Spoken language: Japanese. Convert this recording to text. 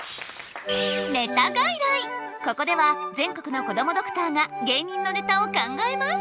ここでは全国のこどもドクターが芸人のネタを考えます！